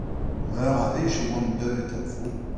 Meur a wech e oant deuet er vro.